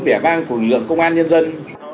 vẻ vang của lượng công an nhân dân